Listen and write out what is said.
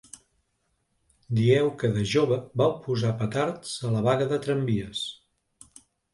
Dieu que de jove vau posar petards a la vaga de tramvies.